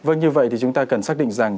vâng như vậy thì chúng ta cần xác định rằng